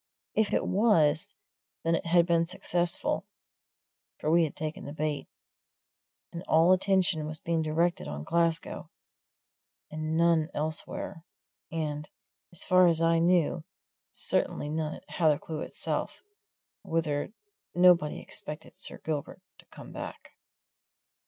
If it was, then it had been successful, for we had taken the bait, and all attention was being directed on Glasgow, and none elsewhere, and as far as I knew certainly none at Hathercleugh itself, whither nobody expected Sir Gilbert to come back.